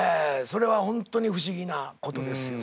それはホントに不思議なことですよ。